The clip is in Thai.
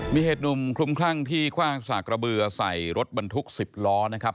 มีเหตุหนุ่มคลุมคลั่งที่คว่างสากระเบือใส่รถบรรทุก๑๐ล้อนะครับ